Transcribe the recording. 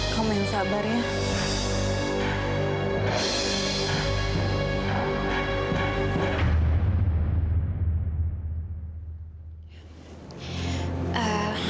kamu main sabar ya